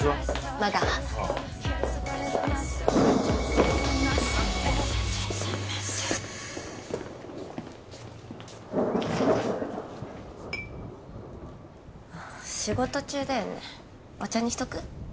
まだあああっ仕事中だよねお茶にしとく？